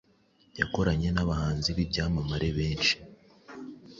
Yakoranye n’abahanzi b’ibyamamare benshi